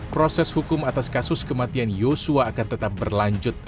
proses hukum atas kasus kematian yosua akan tetap berlanjut